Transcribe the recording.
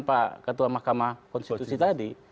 pak ketua mahkamah konstitusi tadi